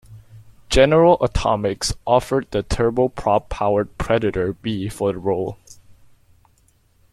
General Atomics offered the turboprop-powered Predator B for the role.